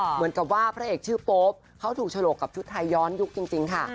เหมือนกับว่าพระเอกชื่อโป๊ปเขาถูกฉลกกับชุดไทยย้อนยุคจริงค่ะ